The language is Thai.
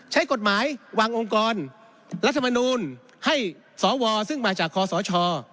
ใช้กฎหมายวางองค์กรรัฐมนูลให้สวซึ่งมาจากคอสช